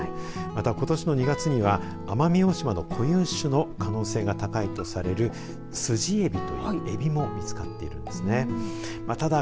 また、ことしの２月には奄美大島の固有種の可能性が高いとされるスジエビというエビも見つかっているんですね。